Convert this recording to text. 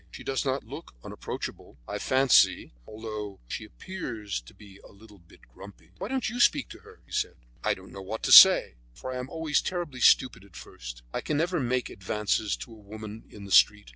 She does not look unapproachable; I fancy, although she appear to be a little bit grumpy." "Why don't you speak to her?" he said. "I don't know what to say, for I am always terribly stupid at first; I can never make advances to a woman in the street.